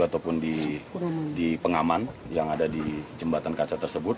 ataupun di pengaman yang ada di jembatan kaca tersebut